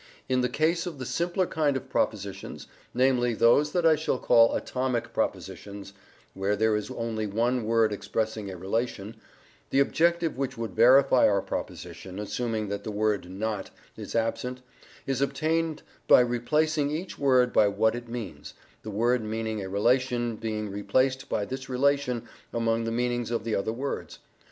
In the case of the simpler kind of propositions, namely those that I call "atomic" propositions, where there is only one word expressing a relation, the objective which would verify our proposition, assuming that the word "not" is absent, is obtained by replacing each word by what it means, the word meaning a relation being replaced by this relation among the meanings of the other words.